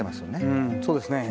うんそうですね。